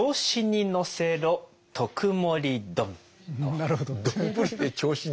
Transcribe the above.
なるほど。